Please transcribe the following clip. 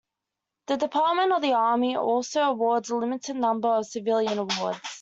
The Department of the Army also awards a limited number of civilian awards.